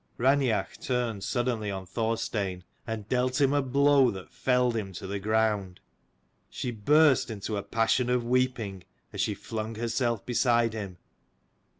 Raineach turned suddenly on Thorstein and dealt him a blow that felled him to the ground: she burst into a passion of weeping, as she flung herself beside him.